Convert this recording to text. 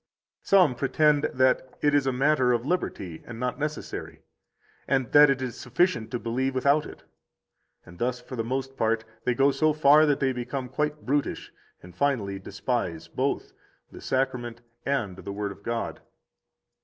Some pretend that it is a matter of liberty and not necessary, and that it is sufficient to believe without it; and thus for the most part they go so far that they become quite brutish, and finally despise both the Sacrament and the Word of God.